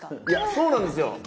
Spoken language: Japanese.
いやそうなんですよ。